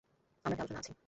আমরা একটা আলোচনা আছি।